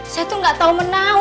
saya tuh gak tahu menau